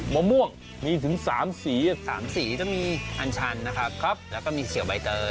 มะม่วงมีถึง๓สี๓สีจะมีอันชันนะครับแล้วก็มีเขียวใบเตย